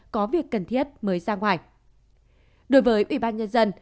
có việc cần thiết mới ra ngoài